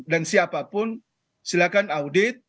dan siapapun silahkan audit